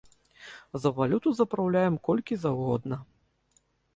За валюту запраўляем колькі заўгодна.